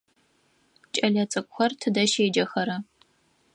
Кӏэлэцӏыкӏухэр тыдэ щеджэхэра?